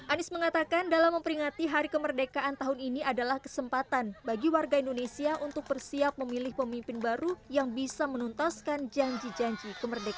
anies mengatakan dalam memperingati hari kemerdekaan tahun ini adalah kesempatan bagi warga indonesia untuk bersiap memilih pemimpin baru yang bisa menuntaskan janji janji kemerdekaan